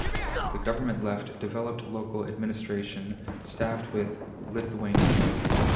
The government left developed local administration, staffed with Lithuanians.